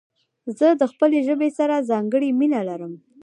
زه د خپلي ژبي سره ځانګړي مينه لرم.